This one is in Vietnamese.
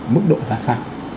mức độ ra sao